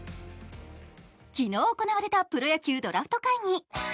昨日行われたプロ野球ドラフト会議。